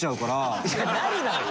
いやなるなよ！